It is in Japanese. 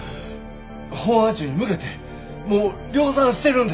本発注に向けてもう量産してるんです。